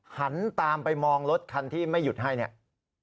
หันตามไปมองรถคันที่ไม่หยุดให้เนี่ย